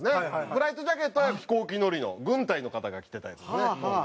フライトジャケットは飛行機乗りの軍隊の方が着てたやつですね。